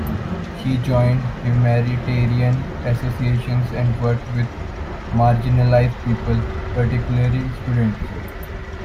She joined humanitarian associations and worked with marginalized people, particularly students.